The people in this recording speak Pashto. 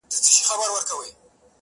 په ژوندوني سو کمزوری لکه مړی -